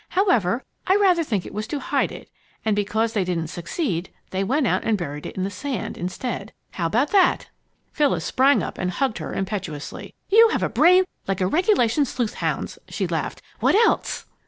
However, I rather think it was to hide it. And because they didn't succeed, they went out and buried it in the sand, instead. How about that?" Phyllis sprang up and hugged her impetuously. "You have a brain like a regulation sleuth hound's!" she laughed. "What else?"